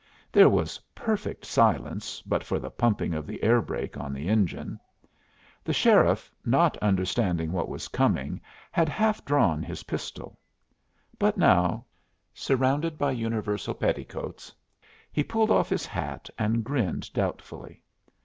There was perfect silence but for the pumping of the air brake on the engine. The sheriff, not understanding what was coming, had half drawn his pistol; but now, surrounded by universal petticoats, he pulled off his hat and grinned doubtfully.